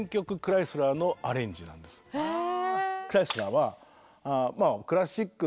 へえ。